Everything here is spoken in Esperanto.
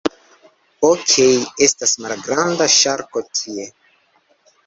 Okej, estas malgranda ŝarko tie...